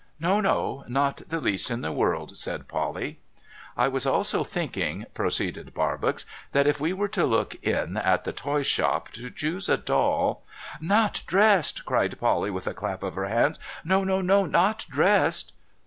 ' No, no, not the least in the world,' said Polly. * I was also thinking,' proceeded Barbox, ' that if we were to look in at the toy shop, to choose a doll '' Not dressed !' cried Polly with a clap of her hands. ' No, no, NO, not dressed